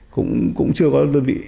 cũng chưa có đơn vị